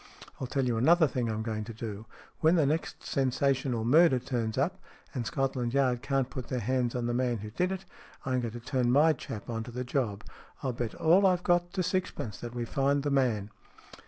I'll tell you another thing I'm going to do. When the next sensational murder turns up, and Scotland Yard can't put their hands on the man who did it, I'm going to turn my chap on to the job. I'll bet all I've got to sixpence that we find the man."